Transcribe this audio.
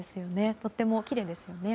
とてもきれいですよね。